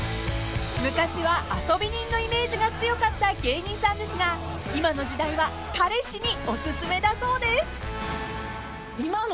［昔は遊び人のイメージが強かった芸人さんですが今の時代は彼氏におすすめだそうです］